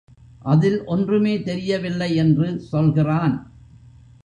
அதில் ஒன்றுமே தெரியவில்லை என்று சொல்கிறான்.